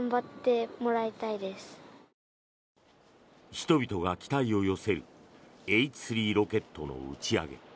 人々が期待を寄せるＨ３ロケットの打ち上げ。